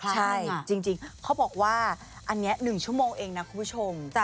ใช่จริงเขาบอกว่าอันนี้๑ชั่วโมงเองนะคุณผู้ชม